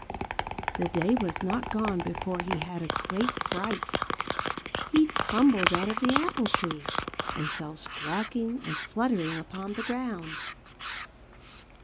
The day was not gone before he had a great fright. He tumbled out of the apple tree and fell squawking and fluttering upon the ground.